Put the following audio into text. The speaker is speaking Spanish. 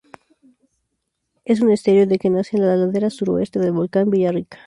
Es un estero de que nace en la ladera suroeste del volcán Villarrica.